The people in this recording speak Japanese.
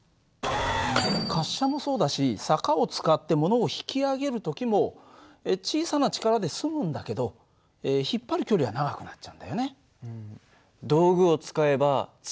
滑車もそうだし坂を使ってものを引き上げる時も小さな力で済むんだけど引っ張る距離は長くなっちゃうんだよね。